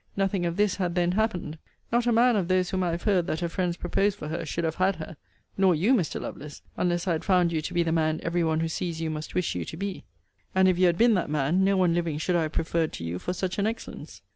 Nothing of this had then happened. Not a man of those whom I have heard that her friends proposed for her should have had her. Nor you, Mr. Lovelace, unless I had found you to be the man every one who sees you must wish you to be: and if you had been that man, no one living should I have preferred to you for such an excellence.